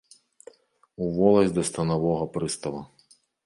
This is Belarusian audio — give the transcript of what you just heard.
У воласць да станавога прыстава.